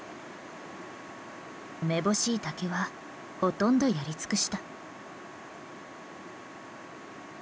めぼしい竹はほとんどやり尽くした。